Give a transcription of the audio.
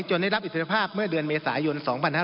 ได้รับอิทธิภาพเมื่อเดือนเมษายน๒๕๕๙